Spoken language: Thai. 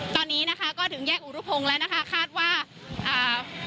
ตอนนี้นะคะก็ถึงแยกอุรุพงศ์แล้วนะคะคาดว่าอ่า